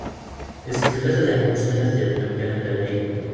Yessefk fell-as ad iḥewwes win ara as-d-yafen amkan anda ara igen.